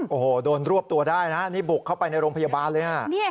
โอ้โหโดนรวบตัวได้นะนี่บุกเข้าไปในโรงพยาบาลเลยฮะ